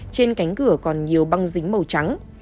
trên cánh cửa còn nhiều băng dính màu trắng